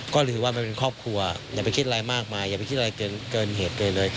ก็ถือว่ามันเป็นครอบครัวอย่าไปคิดอะไรมากมายอย่าไปคิดอะไรเกินเหตุเกินเลย